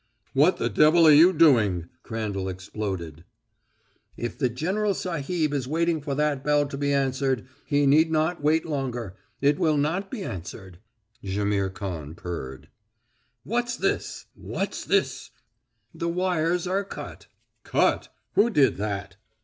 "What the devil are you doing?" Crandall exploded. "If the general sahib is waiting for that bell to be answered he need not wait longer it will not be answered," Jaimihr Khan purred. "What's this what's this!" "The wires are cut." "Cut! Who did that?"